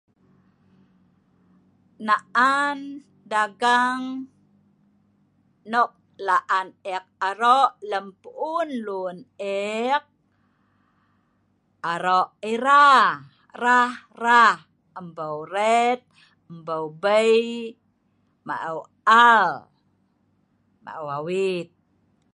na'an dagang nok la'an eek aro' lem pu'un lun eek, aro' era rah rah, embou ret', embou bei', maou al, maou awit.